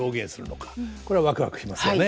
これはワクワクしますよね。